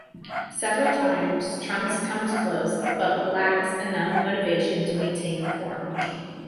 Several times, Trunks comes close, but lacks enough motivation to maintain the form.